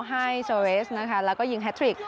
ให้เซอเวสแล้วก็ยิงแฮททริก